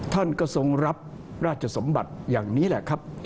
ท่านก็ทรงรับราชสมบัติอย่างนี้แหละครับ